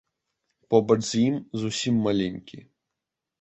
Побач з ім зусім маленькі.